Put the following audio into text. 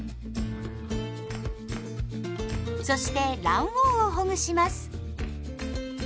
そして卵黄をほぐします。